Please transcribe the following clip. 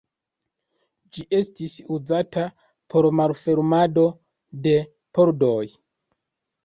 Ĝi estis uzata por malfermado de pordoj.